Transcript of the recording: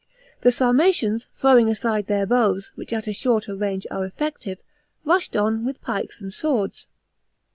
The Sarmatians, throwing aside their bows, which at a shorter range are effective, rushed on with j ikes and swords.